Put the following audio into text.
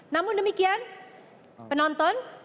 namun demikian penonton